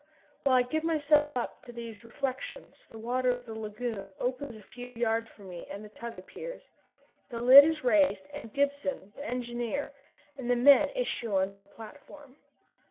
While I give myself up to these reflections the water of the lagoon opens a few yards from me and the tug appears. The lid is raised and Gibson, the engineer, and the men issue on to the platform.